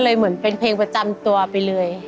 เหมือนเป็นเพลงประจำตัวไปเลย